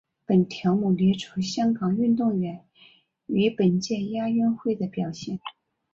本条目列出香港运动员于本届亚运会的表现。